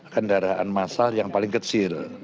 kendaraan masal yang paling kecil